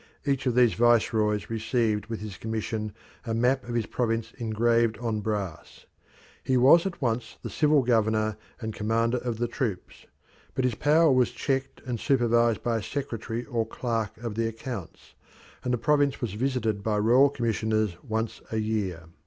Each of these viceroys received with his commission a map of his province engraved on brass. He was at once the civil governor and commander of the troops, but his power was checked and supervised by a secretary or clerk of the accounts, and the province was visited by royal commissioners once a year.